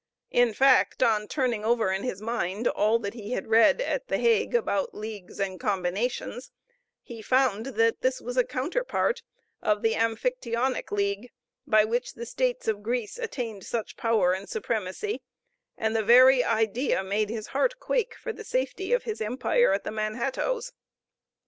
In fact, on turning over in his mind all that he had read at the Hague about leagues and combinations, he found that this was a counterpart of the Amphictyonic League, by which the states of Greece attained such power and supremacy; and the very idea made his heart quake for the safety of his empire at the Manhattoes.